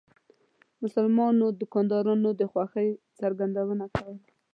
مسلمانو دکاندارانو د خوښۍ څرګندونه کوله.